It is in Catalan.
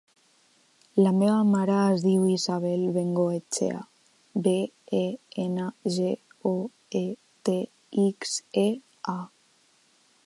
La meva mare es diu Isabel Bengoetxea: be, e, ena, ge, o, e, te, ics, e, a.